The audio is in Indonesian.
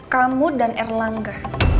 kamu dan erlangga